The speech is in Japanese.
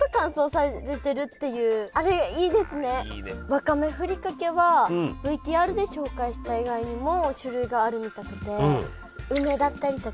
わかめふりかけはＶＴＲで紹介した以外にも種類があるみたくて。